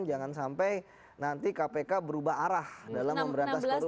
jangan sampai nanti kpk berubah arah dalam memberantas korupsi